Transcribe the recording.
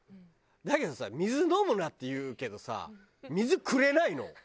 だけどさ「水飲むな」って言うけどさ水くれないの。